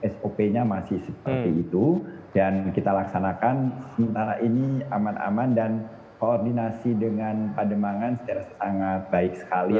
sop nya masih seperti itu dan kita laksanakan sementara ini aman aman dan koordinasi dengan pademangan secara sangat baik sekali